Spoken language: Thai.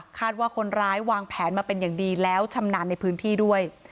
ว่าคนร้ายวางแผนมาเป็นอย่างดีแล้วชำนาญในพื้นที่ด้วย